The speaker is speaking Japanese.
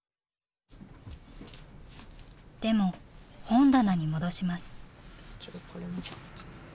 でも本棚に戻します。